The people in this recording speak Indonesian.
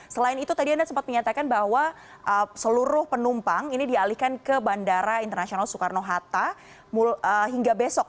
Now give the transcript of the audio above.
selain itu tadi anda sempat menyatakan bahwa seluruh penumpang ini dialihkan ke bandara internasional soekarno hatta hingga besok